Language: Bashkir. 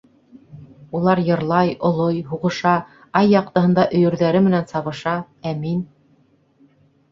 Улар йырлай, олой, һуғыша, ай яҡтыһында өйөрҙәре менән сабыша, ә мин...